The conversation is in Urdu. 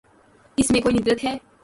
اس میں کوئی ندرت ہے۔